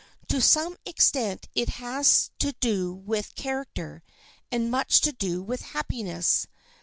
To some extent it has to do with character and much to do with happiness.